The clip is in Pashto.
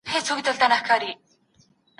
که انلاین کتابتون وي نو ځوانان نه محرومیږي.